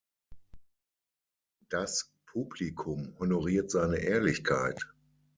Das Publikum honoriert seine Ehrlichkeit.